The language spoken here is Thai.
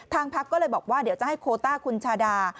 พักก็เลยบอกว่าเดี๋ยวจะให้โคต้าคุณชาดา